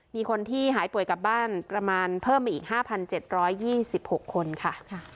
มีคนที่หายป่วยกลับบ้านประมาณเพิ่มอีกห้าพันเจ็ดร้อยยี่สิบหกคนค่ะ